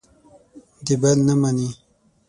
د بل نه مني.